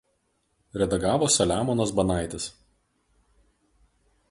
Redagavo Saliamonas Banaitis.